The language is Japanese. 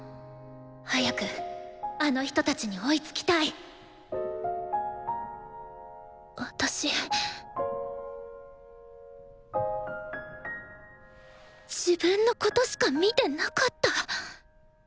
早くあの人たちに追いつきたい私自分のことしか見てなかった？